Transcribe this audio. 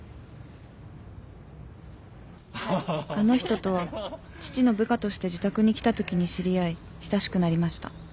あの人とは父の部下として自宅に来たときに知り合い親しくなりました。